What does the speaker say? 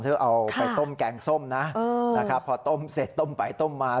เธอเอาไปต้มแกงส้มนะพอต้มเสร็จต้มไปต้มมา